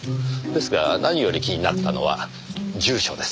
ですが何より気になったのは住所です。